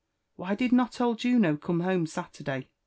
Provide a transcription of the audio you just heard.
" Why did not old Juno come home Saturday